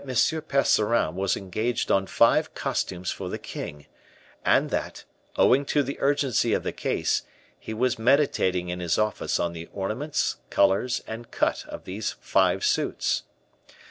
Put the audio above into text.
Percerin was engaged on five costumes for the king, and that, owing to the urgency of the case, he was meditating in his office on the ornaments, colors, and cut of these five suits.